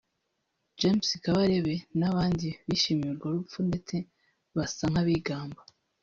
James Kabarebe n’abandi bishimiye urwo rupfu ndetse basa nk’abigamba